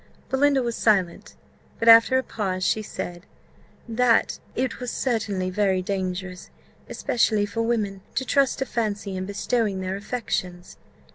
Belinda was silent; but, after a pause, she said, "That it was certainly very dangerous, especially for women, to trust to fancy in bestowing their affections."